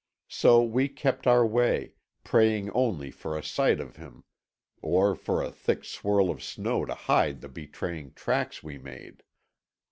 So we kept our way, praying only for a sight of him, or for a thick swirl of snow to hide the betraying tracks we made.